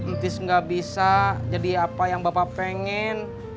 ntis nggak bisa jadi apa yang bapak pengen